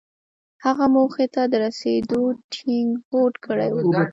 هغه موخې ته د رسېدو ټينګ هوډ کړی و.